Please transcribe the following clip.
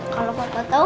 kalau papa tau